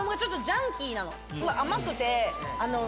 甘くて。